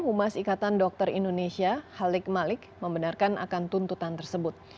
humas ikatan dokter indonesia halik malik membenarkan akan tuntutan tersebut